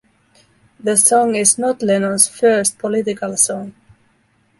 The song is not Lennon's first political song.